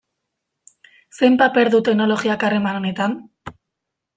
Zein paper du teknologiak harreman honetan?